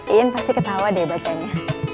iin pasti ketawa deh bacanya